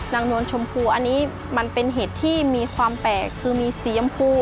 นวลชมพูอันนี้มันเป็นเห็ดที่มีความแปลกคือมีสียำพู